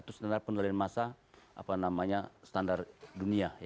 itu standar penelitian masa apa namanya standar dunia